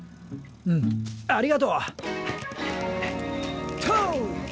うんありがとう。とうっ！